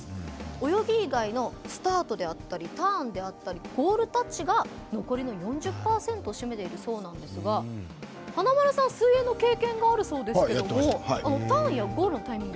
泳ぎ以外のスタートであったりターンであったりゴールタッチが残りの４０％を占めているそうですが華丸さん、水泳の経験があるそうですがターンやゴールのタイミング